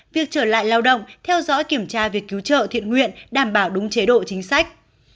việc trở lại lao động theo dõi kiểm tra việc cứu trợ thiện nguyện đảm bảo đúng chế độ chính sách